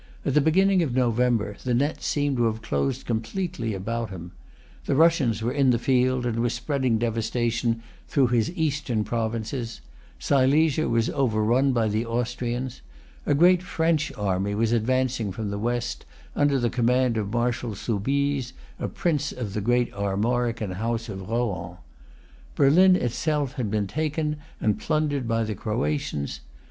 At the beginning of November, the net seemed to have closed completely round him. The Russians were in the field, and were spreading devastation through his eastern provinces. Silesia was overrun by the Austrians. A great French army was advancing from the West under the command of Marshal Soubise, a prince of the great Armorican House of Rohan. Berlin itself had been taken and plundered by the Croatians.